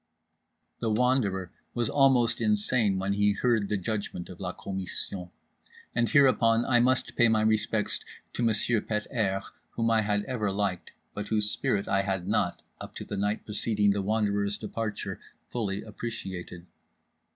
_" The Wanderer was almost insane when he heard the judgment of la commission. And hereupon I must pay my respects to Monsieur Pet airs; whom I had ever liked, but whose spirit I had not, up to the night preceding The Wanderer's departure, fully appreciated.